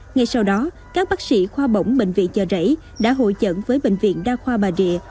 ngay sau đó các bác sĩ khoa bổng bệnh viện chợ rẫy đã hội chẩn với bệnh viện đa khoa bà rịa